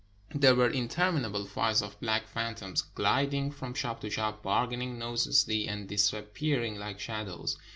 There were interminable files of black phantoms glid ing from shop to shop, bargaining noiselessly, and dis appearing like shadows.